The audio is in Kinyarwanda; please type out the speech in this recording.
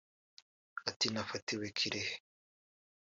Ati “Nafatiwe Kirehe